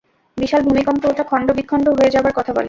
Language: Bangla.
বিশাল ভূমিকম্পে ওটা খণ্ডবিখণ্ড হয়ে যাবার কথা বলে।